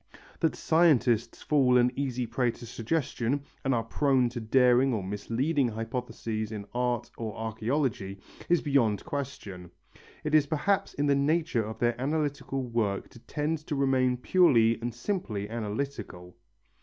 That scientists fall an easy prey to suggestion and are prone to daring or misleading hypotheses in art or archæology is beyond question. It is perhaps in the nature of their analytical work to tend to remain purely and simply analytical.